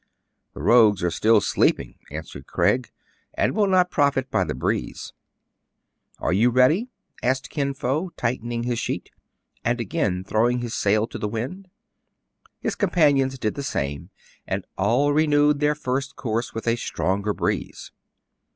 " The rogues are still sleeping," answered Craig, and will not profit by the breeze." Are you ready }" asked Kin Fo, tightening his sheet, and again throwing his sail to the wind. His companions did the same, and all renewed their first course with a stronger breeze.